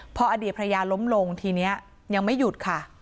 พออดีตภรรยาล้มลงทีนี้ยังไม่หยุดค่ะ